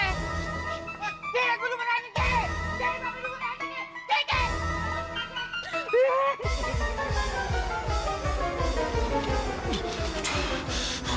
gak bisa dianggap